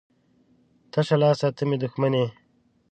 ـ تشه لاسه ته مې دښمن یې.